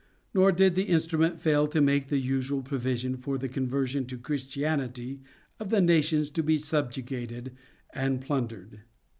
Nor did the instrument fail to make the usual provision for the conversion to Christianity of the nations to be subjugated and plundered.